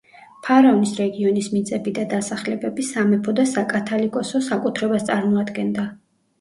ფარავნის რეგიონის მიწები და დასახლებები სამეფო და საკათალიკოსო საკუთრებას წარმოადგენდა.